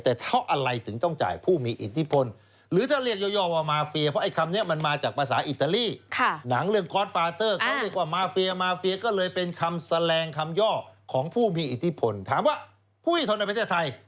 ทำย่อของผู้มีอิทธิพลถามว่าผู้พิทธิพลในประเทศไทย